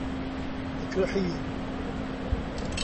Tekreḥ-iyi?